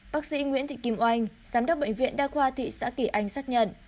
bác sĩ nguyễn thị kim oanh giám đốc bệnh viện đa khoa thị xã kỳ anh xác nhận